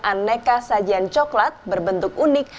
aneka sajian coklat berbentuk unik